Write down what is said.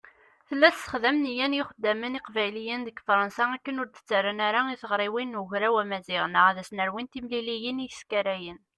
Tella tessexdam nniya n yixeddamen iqbayliyen deg Fṛansa akken ur d-ttarran ara i tiɣriwin n Ugraw Amaziɣ neɣ ad s-nerwin timliliyin iskarayen.